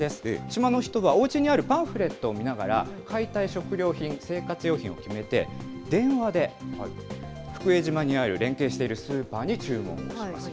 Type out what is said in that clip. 島の人がおうちにあるパンフレットを見ながら買いたい食料品、生活用品を決めて電話で福江島にある連携しているスーパーに注文をします。